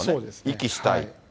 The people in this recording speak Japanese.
遺棄したい。